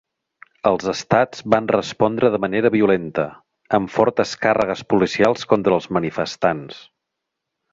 Els estats van respondre de manera violenta, amb fortes càrregues policials contra els manifestants.